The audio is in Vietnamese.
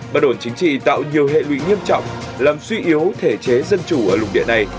bất ổn chính trị tạo nhiều hệ lụy nghiêm trọng làm suy yếu thể chế dân chủ ở lục địa này